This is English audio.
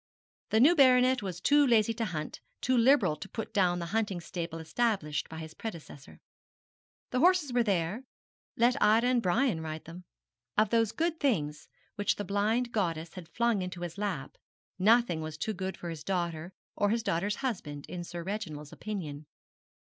The new baronet was too lazy to hunt, too liberal to put down the hunting stable established by his predecessor. The horses were there let Ida and Brian ride them. Of those good things which the blind goddess had flung into his lap nothing was too good for his daughter or his daughter's husband in Sir Reginald's opinion.